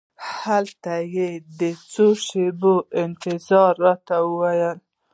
هلته یې د څو شېبو انتظار راته وویل.